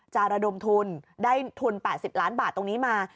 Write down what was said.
ระดมทุนได้ทุน๘๐ล้านบาทตรงนี้มา